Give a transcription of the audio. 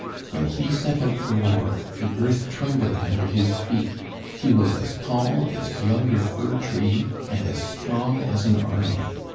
When he set out for war the earth trembled under his feet. He was as tall as yonder fir tree and as strong as an army.